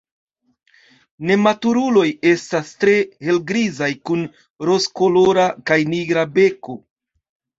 Nematuruloj estas tre helgrizaj kun rozkolora kaj nigra beko.